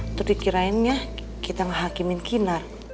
itu dikirainnya kita menghakimi kinar